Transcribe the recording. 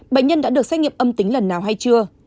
bệnh nhân đã được xét nghiệm âm tính lần nào hay chưa